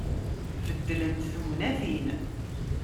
Beddlent tegnatin.